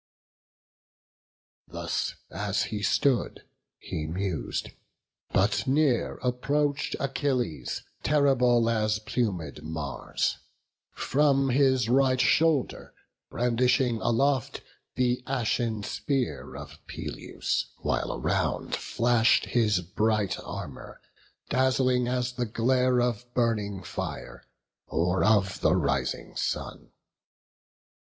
Thus, as he stood, he mus'd; but near approach'd Achilles, terrible as plumed Mars; From his right shoulder brandishing aloft The ashen spear of Peleus, while around Flash'd his bright armour, dazzling as the glare Of burning fire, or of the rising sun.